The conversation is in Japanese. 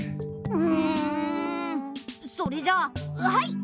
うん。それじゃあはい！